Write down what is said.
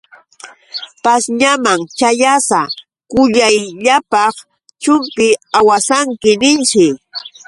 Pashñaman ćhayasa: Kuyayllapaq chumpita awasanki, ninshi.